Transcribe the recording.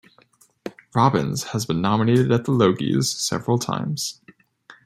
Robbins has been nominated at the Logies several times.